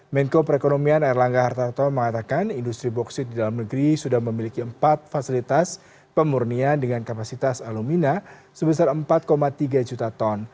menko perekonomian erlangga hartarto mengatakan industri bauksit di dalam negeri sudah memiliki empat fasilitas pemurnian dengan kapasitas alumina sebesar empat tiga juta ton